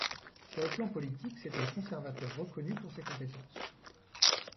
Sur le plan politique, c'est un conservateur reconnu pour ses compétences.